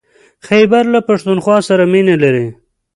خيبر له پښتونخوا سره مينه لري.